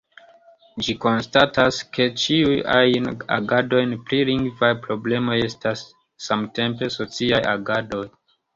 Ĝi konstatas, ke "ĉiuj ajn agadoj pri lingvaj problemoj estas samtempe sociaj agadoj".